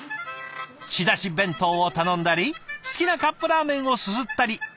仕出し弁当を頼んだり好きなカップラーメンをすすったり。